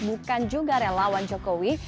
bukan juga relawan jokowi